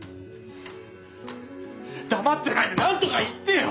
黙ってないで何とか言ってよ